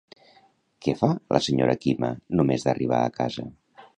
Què fa, la senyora Quima, només d'arribar a casa?